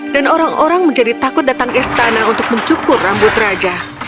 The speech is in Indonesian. dan orang orang menjadi takut datang istana untuk mencukur rambut raja